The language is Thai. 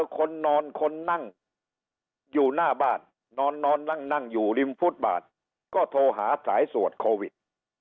คนนั่งอยู่หน้าบ้านนอนนอนนั่งนั่งอยู่ริมพุทธบาทก็โทรหาสายสวดโควิด